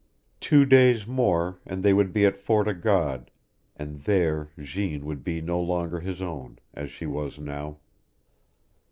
Two days more and they would be at Fort o' God, and there Jeanne would be no longer his own, as she was now.